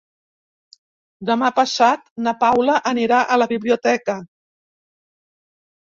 Demà passat na Paula anirà a la biblioteca.